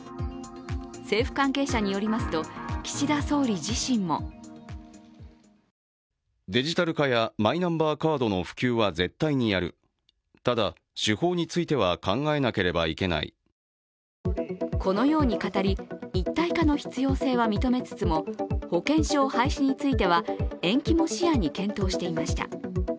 政府関係者によりますと岸田総理自身もこのように語り、一体化の必要性は認めつつも、保険証廃止については延期も視野に検討していました。